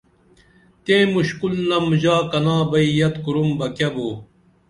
تئیں مُشکُل نم ژا کنا بئی یت کُرُم بہ کیہ بو